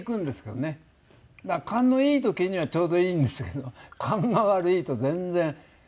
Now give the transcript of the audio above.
だから勘のいい時にはちょうどいいんですけど勘が悪いと全然。